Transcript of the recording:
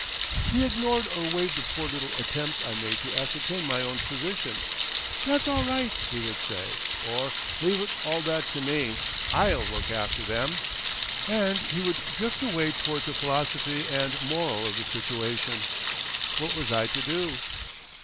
He ignored or waived the poor little attempts I made to ascertain my own position. "That's all right," he would say; or, "Leave all that to me. I'll look after them." And he would drift away towards the philosophy and moral of the situation. What was I to do?